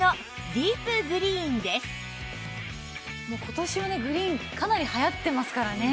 今年はねグリーンかなり流行ってますからね。